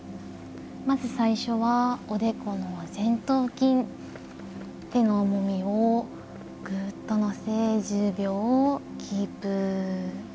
まず最初は、おでこの前頭筋を手の重みをぐっと乗せ１０秒キープ。